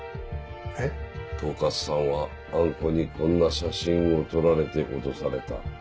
えっ？統括さんはあん子にこんな写真を撮られて脅された。